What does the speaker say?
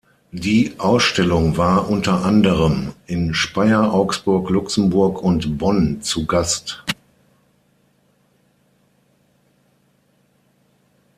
Die Ausstellung war unter anderem in Speyer, Augsburg, Luxemburg und Bonn zu Gast.